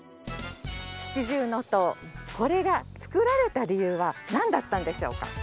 七重塔これが造られた理由はなんだったんでしょうか？